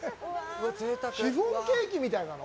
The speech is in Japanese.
シフォンケーキみたいなの？